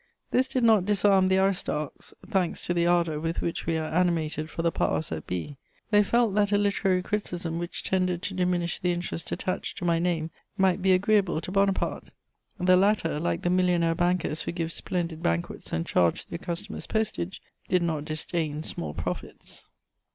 This did not disarm the aristarchs, thanks to the ardour with which we are animated for the powers that be; they felt that a literary criticism which tended to diminish the interest attached to my name might be agreeable to Bonaparte. The latter, like the millionaire bankers who give splendid banquets and charge their customers postage, did not disdain small profits.